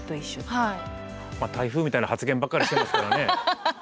台風みたいな発言ばかりしてますからね。